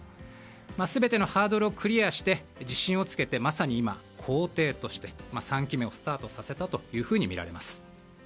全てのハードルをクリアして自信をつけて、まさに今皇帝として３期目をスタートさせたとみられます。